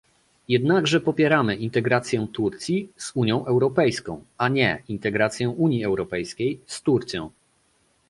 Jednakże popieramy integrację Turcji z Unią Europejską, a nie integrację Unii Europejskiej z Turcją